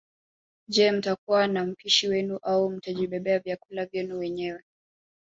Je mtakuwa na mpishi wenu au mtajibebea vyakula vyenu wenyewe